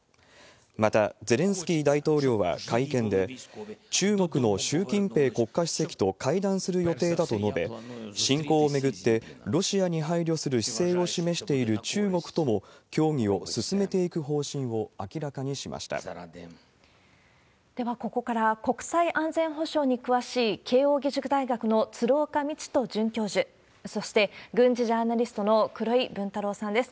また、ゼレンスキー大統領は会見で、中国の習近平国家主席と会談する予定だと述べ、侵攻を巡ってロシアに配慮する姿勢を示している中国とも協議を進では、ここから、国際安全保障に詳しい慶應義塾大学の鶴岡路人准教授、そして、軍事ジャーナリストの黒井文太郎さんです。